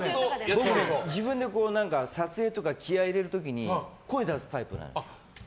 自分で撮影とか気合入れる時に声出すタイプなの。